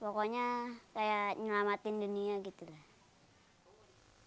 pokoknya kayak nyelamatin dunia gitu lah